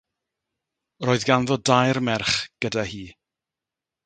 Roedd ganddo dair merch gyda hi.